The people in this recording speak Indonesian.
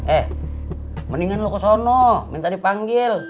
eh mendingan lu ke sana minta dipanggil